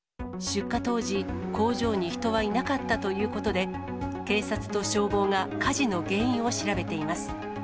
出火当時、工場に人はいなかったということで、警察と消防が火事の原因を調べています。